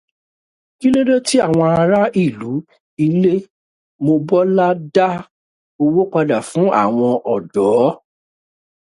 Kí ló dé tí àwọn ará ìlú Ilémobọ́lá dá owó padà fún àwọn ọ̀dọ́?